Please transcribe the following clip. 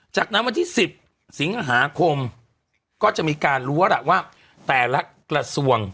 จากนั้นวันที่๑๐สิงหาคมก็จะมีการรู้ว่าล่ะว่าแต่ละกระทรวง